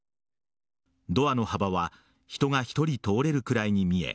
ドアの幅は人が１人通れるくらいに見え